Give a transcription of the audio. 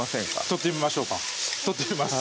取ってみましょうか取ってみます